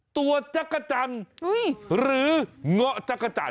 ตัวจักรจรหรือเงาะจักรจร